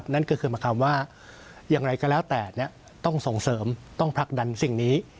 นั่นก็คือหมายความว่าอย่างไรก็แล้วแต่ต้องส่งเสริมต้องผลักดันสิ่งนี้